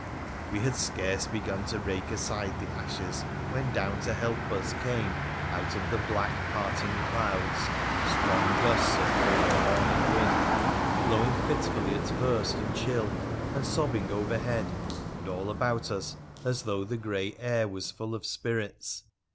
We had scarce begun to rake aside the ashes, when down to help us came, out of the black parting clouds, strong gusts of cold morning wind, blowing fitfully at first and chill, and sobbing overhead and all about us, as though the grey air was full of spirits.